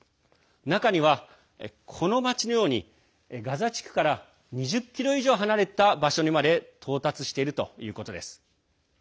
中には、この町のようにガザ地区から２０ｋｍ以上離れた場所にまで到達しているということです。